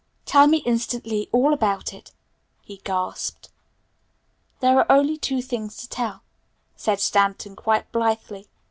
"Tell me instantly all about it," he gasped. "There are only two things to tell," said Stanton quite blithely.